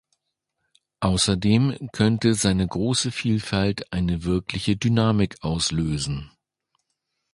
Außerdem könnte seine große Vielfalt eine wirkliche Dynamik auslösen.